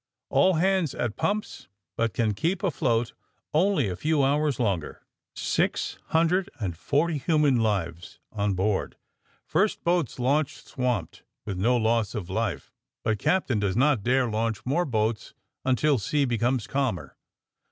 All hands at pumps, but can AND THE SMUGGLEES 111 keep afloat only a few hours longer. Six hun dred and forty human beings on board. First boats launched swamped, with no loss of life, but captain does not dare launch more boats un til sea becomes calmer.